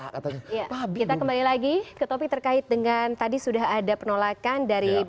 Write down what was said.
kita kembali lagi ke topik terkait dengan tadi sudah ada penolakan dari